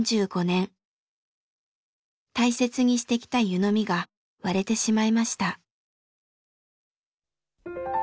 大切にしてきた湯飲みが割れてしまいました。